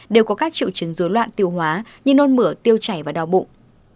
đều có các triệu chứng dối loạn tiêu hóa như nôn mửa tiêu chảy và đau bụng